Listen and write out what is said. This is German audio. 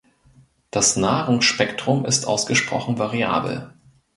Das Nahrungsspektrum ist ausgesprochen variabel.